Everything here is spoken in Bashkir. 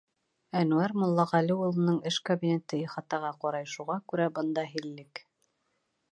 Әнүәр Муллағәле улының эш кабинеты ихатаға ҡарай, шуға күрә бында — һиллек.